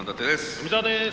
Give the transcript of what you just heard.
富澤です。